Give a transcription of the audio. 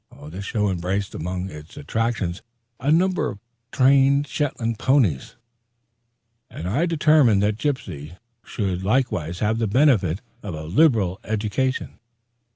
This show embraced among its attractions a number of trained Shetland ponies, and I determined that Gypsy should likewise have the benefit of a liberal education.